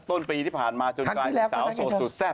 ต้นปีที่ผ่านมาจนกลายเป็นสาวโสดสุดแซ่บ